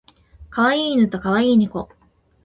可愛い犬と可愛い猫